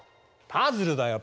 パズルだよ